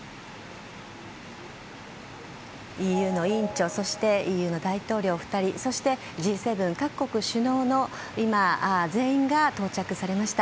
ＥＵの委員長そしてＥＵの大統領２人そしてＧ７各国首脳の全員が到着されました。